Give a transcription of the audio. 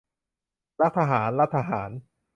รักทหาร รัฐทหาร